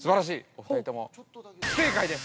お二人とも不正解です。